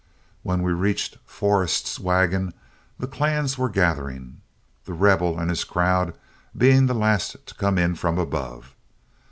When we reached Forrest's wagon the clans were gathering, The Rebel and his crowd being the last to come in from above.